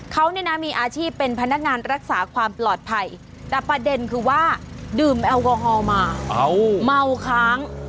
เขาเนี่ยนะมีอาชีพเป็นพนักงานรักษาความปลอดภัยแต่ประเด็นคือว่าดื่มแอลกอฮอล์มาเมาค้าง